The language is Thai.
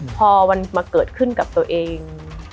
พอมันมาเกิดขึ้นกับตัวเอง